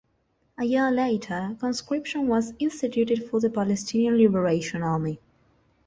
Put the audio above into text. A year later, conscription was instituted for the Palestinian Liberation Army.